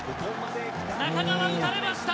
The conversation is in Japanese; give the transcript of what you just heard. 中川打たれました！